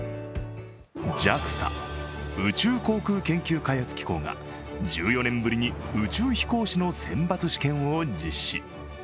ＪＡＸＡ＝宇宙航空研究開発機構が１４年ぶりに宇宙飛行士の選抜試験を実施。